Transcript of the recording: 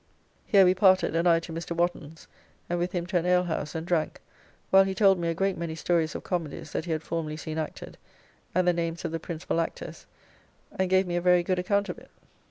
Here we parted and I to Mr. Wotton's, and with him to an alehouse and drank while he told me a great many stories of comedies that he had formerly seen acted, and the names of the principal actors, and gave me a very good account of it.